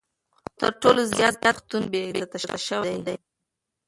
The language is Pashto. خو تر ټولو زیات پښتون بې عزته شوی دی.